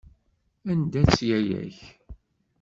Anda-tt yaya-k?